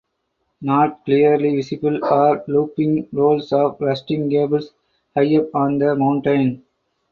Not clearly visible are looping rolls of rusting cable high up on the mountain.